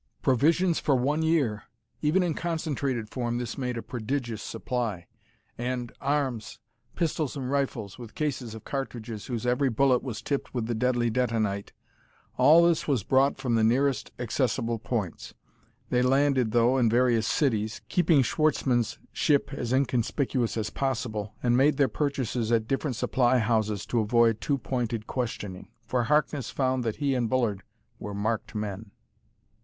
Provisions for one year! Even in concentrated form this made a prodigious supply. And, arms pistols and rifles, with cases of cartridges whose every bullet was tipped with the deadly detonite all this was brought from the nearest accessible points. They landed, though, in various cities, keeping Schwartzmann's ship as inconspicuous as possible, and made their purchases at different supply houses to avoid too pointed questioning. For Harkness found that he and Bullard were marked men.